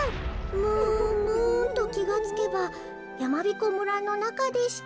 ムーンムーンときがつけばやまびこ村のなかでした」。